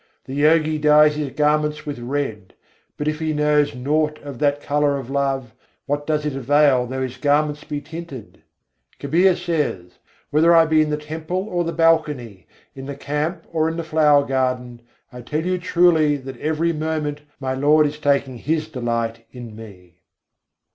The Yogi dyes his garments with red: but if he knows naught of that colour of love, what does it avail though his garments be tinted? Kabîr says: "Whether I be in the temple or the balcony, in the camp or in the flower garden, I tell you truly that every moment my Lord is taking His delight in me."